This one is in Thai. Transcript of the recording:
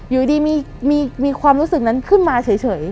อยู่ดีมีความรู้สึกนั้นขึ้นมาเฉย